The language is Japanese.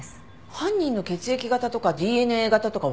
犯人の血液型とかＤＮＡ型とかわかるよね？